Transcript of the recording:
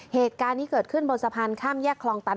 เหตุการณ์นี้เกิดขึ้นบนสะพานข้ามแยกคลองตัน